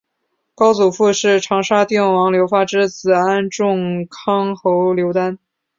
高祖父是长沙定王刘发之子安众康侯刘丹。